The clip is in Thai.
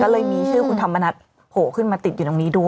ก็เลยมีชื่อคุณธรรมนัฐโผล่ขึ้นมาติดอยู่ตรงนี้ด้วย